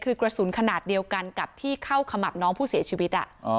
คือกระสุนขนาดเดียวกันกับที่เข้าขมับน้องผู้เสียชีวิต